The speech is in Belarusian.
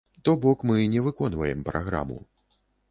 То бок мы не выконваем праграму.